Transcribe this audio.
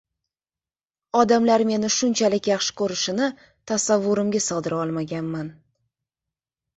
Odamlar meni shunchalik yaxshi ko‘rishini tasavvurimga sig‘dira olmaganman.